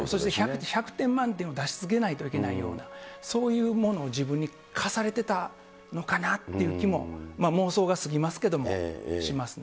１００点満点を出し続けないといけないような、そういうものを自分に課されてたのかなっていう気も、妄想がすぎますけど、しますね。